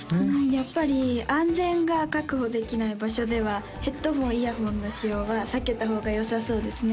やっぱり安全が確保できない場所ではヘッドホンイヤホンの使用は避けた方がよさそうですね